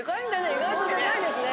意外とデカいんですね。